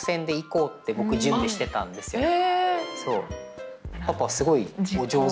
そう。